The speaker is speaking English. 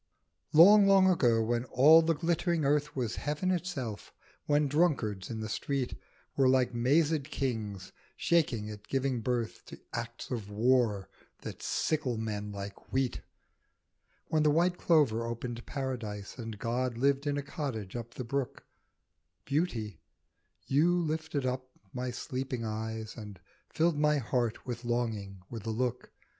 I. LONG, long ago, when all the glittering earth Was heaven itself, when drunkards in the street Were like mazed kings shaking at giving birth To acts of war that sickle men like wheat ; When the white clover opened Paradise And God lived in a cottage up the brook, Beauty, you lifted up my sleeping eyes And filled my heart with longing with a look.